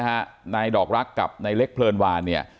ในร้านนะฮะนายดอกรักกับนายเล็กเพลินวานเนี้ย